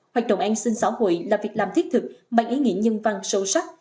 hoạt động an sinh xã hội là việc làm thiết thực mang ý nghĩa nhân văn sâu sắc